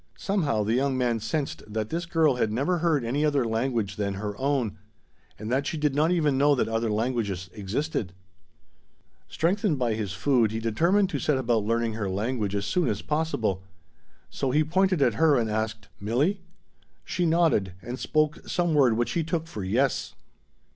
Somehow, the young man sensed that this girl had never heard any other language than her own, and that she did not even know that other languages existed. Strengthened by his food, he determined to set about learning her language as soon as possible. So he pointed at her and asked, "Milli?" She nodded, and spoke some word which he took for "yes."